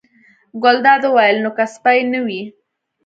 ګلداد وویل: نو که سپی نه وي.